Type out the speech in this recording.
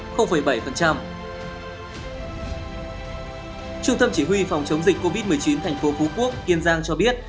trung tâm chỉ huy phòng chống dịch covid một mươi chín tp phú quốc kiên giang cho biết